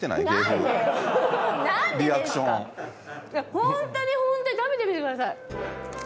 ホントにホントに食べてみてください。